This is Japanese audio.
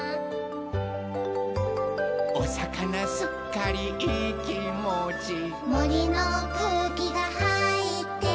「おさかなすっかりいいきもち」「もりのくうきがはいってる」